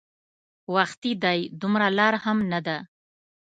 وختي دی دومره لار هم نه ده.